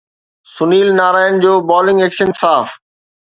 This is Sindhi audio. سنيل نارائن جو بالنگ ايڪشن صاف